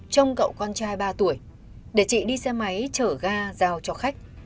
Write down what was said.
trong cậu con trai ba tuổi để chị đi xe máy chở ga giao cho khách